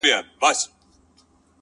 وېريږي نه خو انگازه يې بله ـ